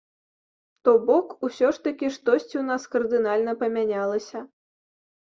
То бок усё ж такі штосьці ў нас кардынальна памянялася.